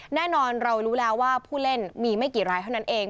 แน่นอนเรารู้แล้วว่าผู้เล่นมีไม่กี่รายเท่านั้นเอง